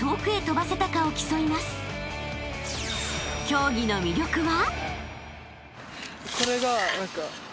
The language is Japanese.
［競技の魅力は？］